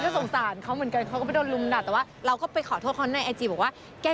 ก็สงสารเขาเหมือนกันเขาก็ไปโดนลุมดัดแต่ว่าเราก็ไปขอโทษเขาในไอจีบอกว่า